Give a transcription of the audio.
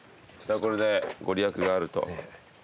これで御利益があると。